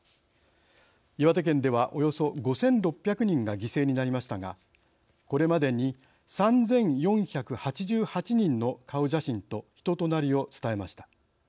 岩手県では、およそ５６００人が犠牲になりましたがこれまでに３４８８人の顔写真と人となりを伝えました。